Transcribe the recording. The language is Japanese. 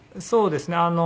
そうですね。